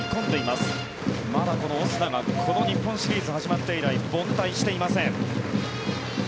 まだこのオスナがこの日本シリーズ始まって以来凡退していません。